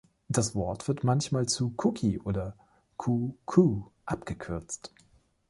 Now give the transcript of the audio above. Das Wort wird manchmal zu „cookie“ oder „coo-koo“ abgekürzt.